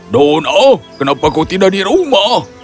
donna kenapa kau tidak di rumah